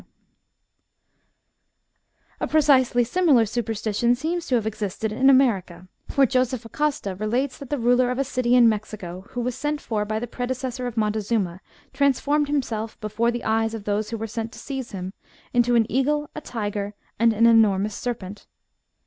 — G. W." 122 THE BOOK OF WERE WOLVES. A precisely similar superstition seems to have existed in America, for Joseph Acosta {Hist. Nat. des Indes) relates that the ruler of a city in Mexico, who was sent for by the predecessor of Montezuma, trans formed himself, before the eyes of those who were sent to seize him, into an eagle, a tiger, and an enormous serpent.